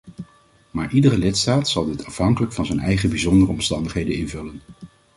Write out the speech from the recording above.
Maar iedere lidstaat zal dit afhankelijk van zijn eigen bijzondere omstandigheden invullen.